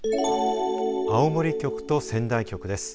青森局と仙台局です。